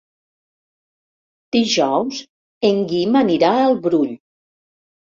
Dijous en Guim anirà al Brull.